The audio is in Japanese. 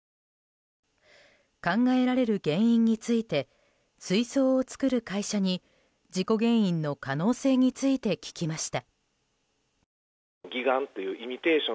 考えられる原因について水槽を作る会社に事故原因の可能性について聞きました。